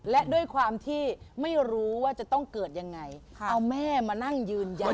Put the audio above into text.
และด้วยความที่ไม่รู้ว่าจะต้องเกิดยังไงเอาแม่มานั่งยืนยัน